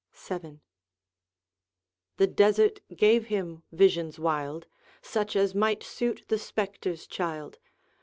VII. The desert gave him visions wild, Such as might suit the spectre's child.